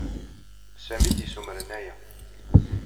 D Sami ay d-yessumren aya.